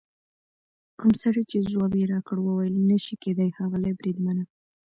کوم سړي چې ځواب یې راکړ وویل: نه شي کېدای ښاغلي بریدمنه.